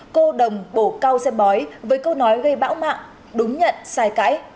cô đồng bổ cao xem bói với câu nói gây bão mạng đúng nhận sai cãi